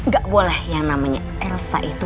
gak boleh yang namanya elsa itu